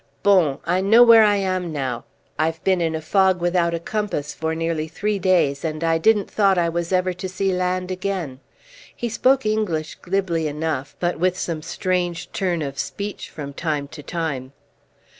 "Bon! I know where I am now. I've been in a fog without a compass for nearly three days, and I didn't thought I was ever to see land again." He spoke English glibly enough, but with some strange turn of speech from time to time.